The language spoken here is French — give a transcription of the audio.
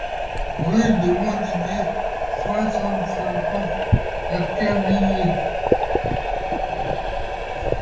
Rue de Montdidier, soixante, cent trente Erquinvillers